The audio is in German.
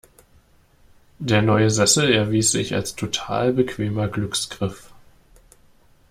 Der neue Sessel erwies sich als total bequemer Glücksgriff.